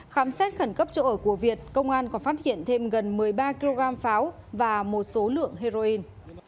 khám xét khẩn cấp chỗ ở của việt công an còn phát hiện thêm gần một mươi ba kg pháo và một số lượng heroin